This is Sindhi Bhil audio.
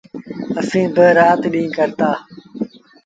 اسيٚݩ با رآت ڏيٚݩهݩ ڪرتآ۔۔